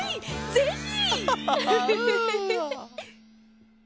ぜひ！